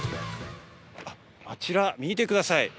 あちら見てください。